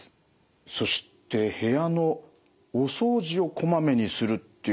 そして部屋のお掃除をこまめにするということ。